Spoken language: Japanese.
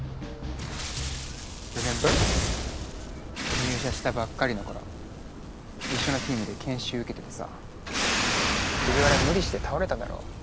入社したばっかりの頃一緒のｔｅａｍで研修受けててさ藤原無理して倒れただろ。